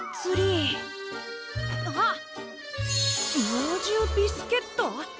「猛獣ビスケット」？